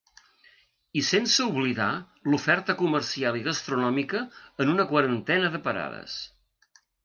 I sense oblidar l’oferta comercial i gastronòmica en una quarantena de parades.